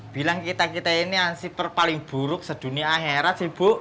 bilang kita kita ini hansifer paling buruk sedunia heret sih bu